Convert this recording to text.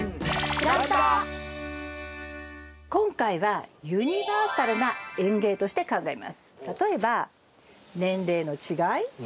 今回はユニバーサルな園芸として考えます。